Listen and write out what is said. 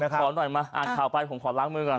ขอหน่อยมาอ่านข่าวไปผมขอล้างมือก่อน